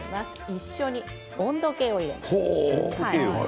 一緒に温度計を入れます。